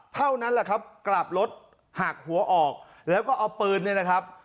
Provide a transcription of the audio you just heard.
เท่านั้นแหละครับกลับรถหักหัวออกแล้วก็เอาปืนเนี่ยนะครับ